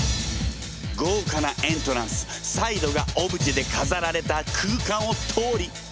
豪華なエントランスサイドがオブジェでかざられた空間を通り。